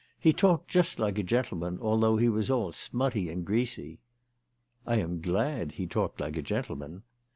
He talked just like a gentleman although he was all smutty and greasy." " I am glad he talked like a gentleman."